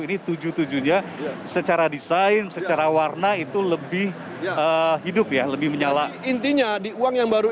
ini tujuh tujuh nya secara desain secara warna itu lebih hidup ya lebih menyala intinya di uang yang baru